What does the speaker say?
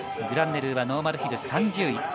グランネルーはノーマルヒル３０位。